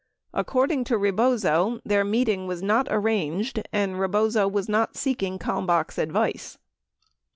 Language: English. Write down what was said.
According to Rebozo, their meeting was not arranged and Rebozo was not seeking Kalmbach's advice.